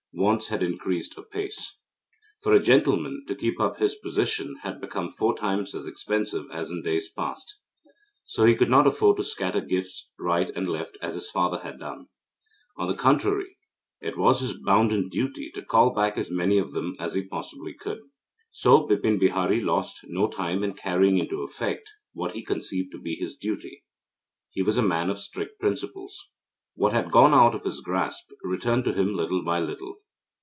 Wants had increased apace. For a gentleman to keep up his position had become four times as expensive as in days past. So he could not afford to scatter gifts right and left as his father had done. On the contrary, it was his bounden duty to call back as many of them as he possibly could. So Bipin Bihari lost no time in carrying into effect what he conceived to be his duty. He was a man of strict principles. What had gone out of his grasp, returned to him little by little.